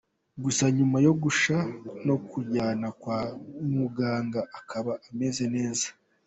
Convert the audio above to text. Gusa nyuma yo gushya no kujyanwa kwa muganga akaba ameze neza.